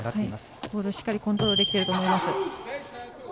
ボールをしっかりコントロールできていると思います。